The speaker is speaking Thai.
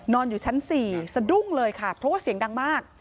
อยู่ชั้น๔สะดุ้งเลยค่ะเพราะว่าเสียงดังมาก